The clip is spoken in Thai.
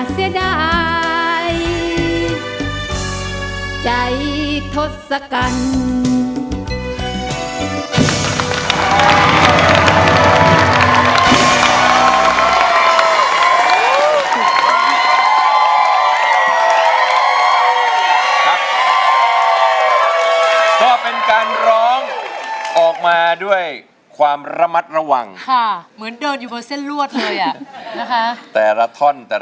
เสียดายใจทศกัณฐ์